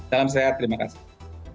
salam sehat terima kasih